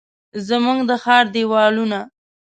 زموږ د ښار دیوالونه،